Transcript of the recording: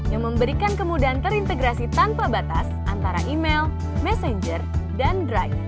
yang memberikan kemudahan terintegrasi tanpa batas antara email messenger dan drive